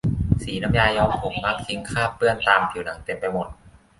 สีน้ำยาย้อมผมมักทิ้งคราบเปื้อนตามผิวหนังเต็มไปหมด